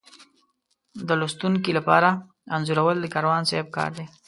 د لوستونکي لپاره انځورول د کاروان صاحب کار دی.